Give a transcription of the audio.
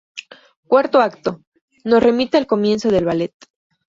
Cuarto acto: Nos remite al comienzo del ballet.